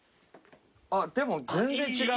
あっでも全然違う。